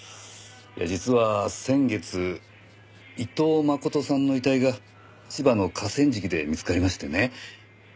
実は先月伊藤真琴さんの遺体が千葉の河川敷で見つかりましてね。